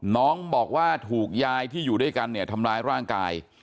น้องบอกว่าถูกยายที่อยู่ด้วยกันเนี่ยทำร้ายร่างกาย